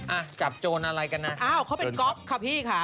อ้าวจับโจรอะไรกันนะเดินไปอ้าวเขาเป็นก๊อกค่ะพี่ค่ะ